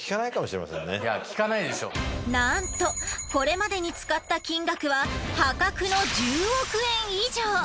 なんとこれまでに使った金額は破格の１０億円以上。